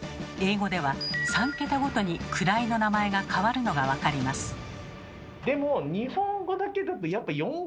英語では３桁ごとに位の名前が変わるのが分かります。